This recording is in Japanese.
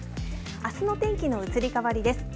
あすの天気の移り変わりです。